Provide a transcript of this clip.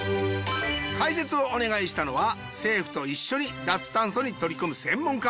解説をお願いしたのは政府と一緒に脱炭素に取り組む専門家